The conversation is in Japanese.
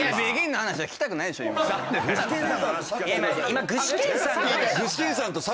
今具志堅さんの話。